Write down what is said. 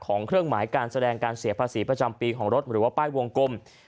เครื่องหมายการแสดงการเสียภาษีประจำปีของรถหรือว่าป้ายวงกลม